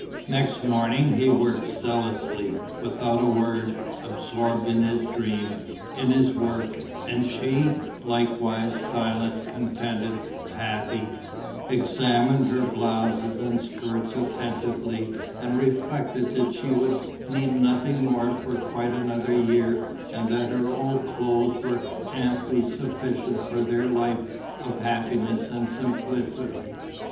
Next morning he worked zealously, without a word, absorbed in his dream, in his work; and she, likewise, silent, contented, happy, examined her blouses and skirts attentively and reflected that she would need nothing more for quite another year and that her old clothes were amply sufficient for their life of happiness and simplicity.